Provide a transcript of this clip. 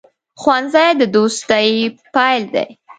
ښوونځی د دوستۍ پیل دی